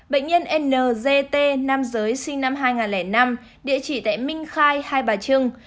bệnh nhân nzt nam giới sinh năm hai nghìn năm địa chỉ tại minh khai hai bà trưng